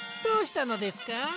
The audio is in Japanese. どうしたのですか？